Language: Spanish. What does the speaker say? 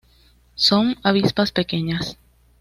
Son avispas pequeñas.